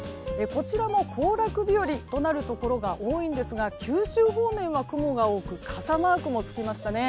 こちらも行楽日和となるところが多いんですが九州方面は雲が多く傘マークもつきましたね。